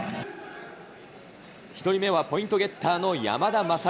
１人目はポイントゲッターの山田優。